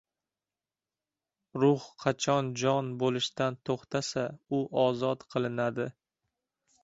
Ruh qachon jon bo‘lishdan to‘xtasa, u ozod qilinadi.